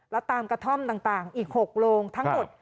แล้วตามกระท่อมต่างอีก๖โลงทั้งหมด